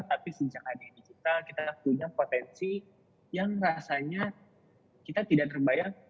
tapi sejak ada digital kita punya potensi yang rasanya kita tidak terbayang